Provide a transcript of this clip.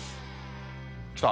きた。